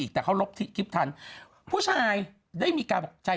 นี่แล้วหุ่นก็ใหญ่มาก